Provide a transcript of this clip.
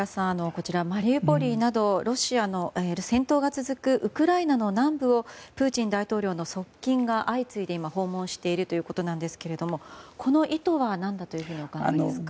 こちら、マリウポリなど戦闘が続くウクライナの南部をプーチン大統領の側近が相次いで、今訪問しているということですがこの意図は何だとお考えですか？